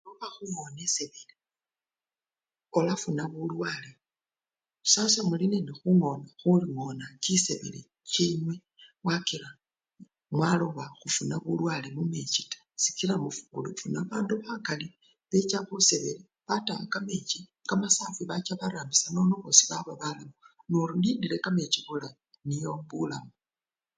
Ngoloba khungona esebele, olafuna bulwale, sasa mulinende khungona chisebele chenywe yakila mulobe khufuna bulwale mumechi taa sikila mufuna bandu bakali babecha khusebele bataya kamechi kamasafwi bacha barambisya nono bosii baba balamu, nolindile kamechi bulayi, nibwo bulamu.